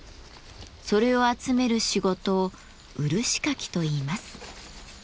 それを集める仕事を漆かきといいます。